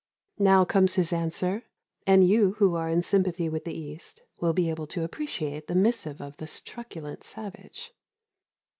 Now comes his answer; and you, who are in sympathy with the East, will be able to appreciate the missive of this truculent savage.